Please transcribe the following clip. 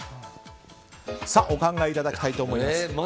お考えいただきたいと思います。